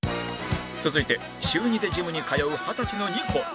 続いて週２でジムに通う二十歳のニコル